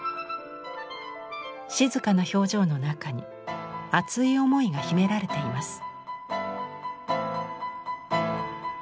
静かな表情の中に熱い思いが秘められています。